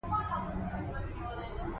هغه ډیر خوشحاله و او ځان یې بریالی ګاڼه.